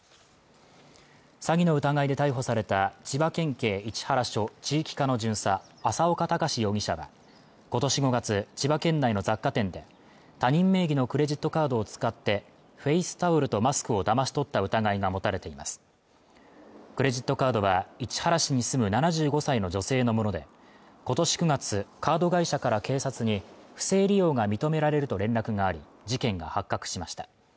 詐欺の疑いで逮捕された千葉県警市原署地域課の巡査浅岡高志容疑者はことし５月千葉県内の雑貨店で他人名義のクレジットカードを使ってフェイスタオルとマスクをだまし取った疑いが持たれていますクレジットカードは市原市に住む７５歳の女性のもので今年９月カード会社から警察に不正利用が認められると連絡があり事件が発覚しました